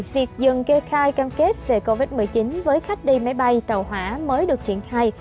việc dừng kê khai cam kết về covid một mươi chín với khách đi máy bay tàu hỏa mới được triển khai